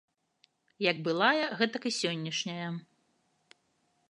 Як былая, гэтак і сённяшняя.